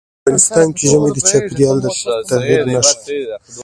افغانستان کې ژمی د چاپېریال د تغیر نښه ده.